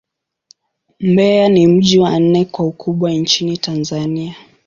Mbeya ni mji wa nne kwa ukubwa nchini Tanzania.